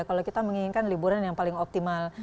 kalau kita menginginkan liburan yang paling optimal